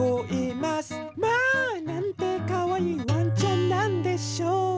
「まあなんてかわいいワンちゃんなんでしょう」